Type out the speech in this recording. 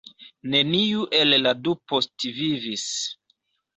Neniu el la du postvivis.